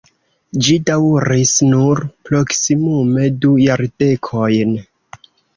Ĝi daŭris nur proksimume du jardekojn.